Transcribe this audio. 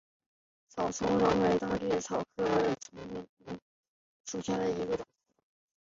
草苁蓉为列当科草苁蓉属下的一个种。